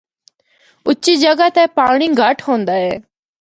اُچی جگہ تے پانڑی گہٹ ہوندا اے۔